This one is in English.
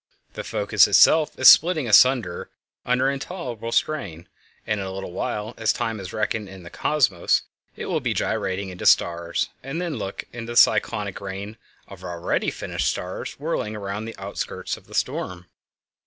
The focus itself is splitting asunder under the intolerable strain, and in a little while, as time is reckoned in the Cosmos, it will be gyrating into stars. And then look at the cyclonic rain of already finished stars whirling round the outskirts of the storm.